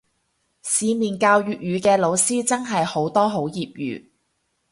市面教粵語嘅老師真係好多好業餘